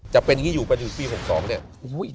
จะเป็นอย่างงี้อยู่ประจำตัวปี๖๒เนี่ย